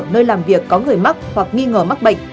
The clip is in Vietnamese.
nơi làm việc có người mắc hoặc nghi ngờ mắc bệnh